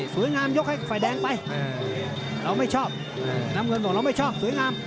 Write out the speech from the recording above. สวยงามยกให้ไฟแดงไปเราไม่ชอบน้ำเงินถูกหัวเราไม่ชอบสวยงาม